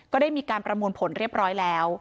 ก็ได้มีการประมวลผลเรียบร้อยแล้ว